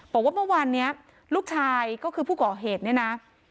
บอกว่าเมื่อวานนี้ลูกชายก็คือผู้ก่อเหตุเนี่ยนะ